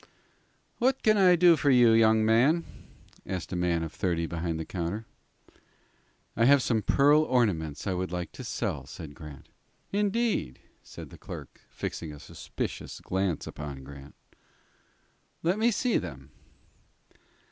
"What can I do for you, young man?" asked a man of thirty behind the counter. "I have some pearl ornaments I would like to sell," said Grant. "Indeed," said the clerk, fixing a suspicious glance upon Grant; "let me see them."